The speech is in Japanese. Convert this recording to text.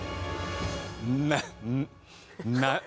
なな。